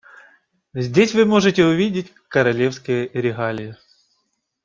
Здесь вы можете увидеть королевские регалии.